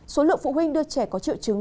số lượng phụ huynh đưa trẻ có triệu chứng